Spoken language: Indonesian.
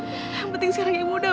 saya tidak terima